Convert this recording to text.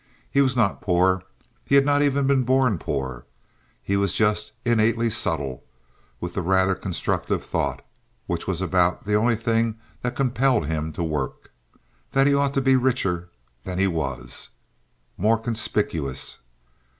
He was not poor. He had not even been born poor. He was just innately subtle, with the rather constructive thought, which was about the only thing that compelled him to work, that he ought to be richer than he was—more conspicuous.